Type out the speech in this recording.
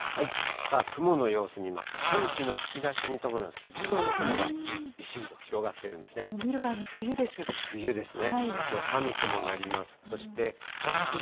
さあ、雲の様子見ますと、寒気の吹き出しに伴う筋状の雲がびっしりと広がっているんですね。